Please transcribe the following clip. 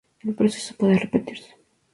El proceso puede repetirse.